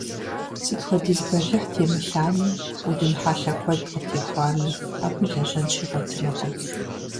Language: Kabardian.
Сыт хуэдиз бэлыхь темылъами, удын хьэлъэ куэд къытехуами, абы лэжьэн щигъэтынукъым.